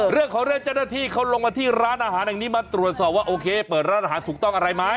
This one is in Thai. เรื่องของเรื่องเจ้าหน้าที่เขาลงมาที่ร้านอาหารแห่งนี้มาตรวจสอบว่าโอเคเปิดร้านอาหารถูกต้องอะไรไหม